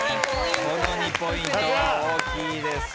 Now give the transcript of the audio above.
この２ポイントは大きいですよ。